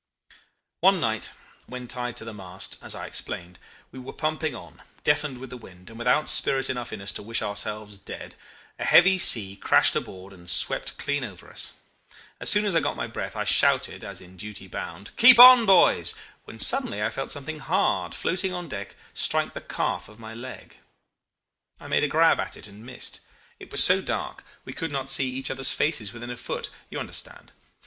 "One night when tied to the mast, as I explained, we were pumping on, deafened with the wind, and without spirit enough in us to wish ourselves dead, a heavy sea crashed aboard and swept clean over us. As soon as I got my breath I shouted, as in duty bound, 'Keep on, boys!' when suddenly I felt something hard floating on deck strike the calf of my leg. I made a grab at it and missed. It was so dark we could not see each other's faces within a foot you understand.